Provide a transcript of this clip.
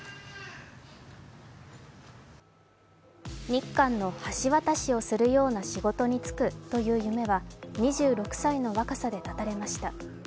日韓の橋渡しをするような仕事に就くという夢は２６歳の若さで絶たれました。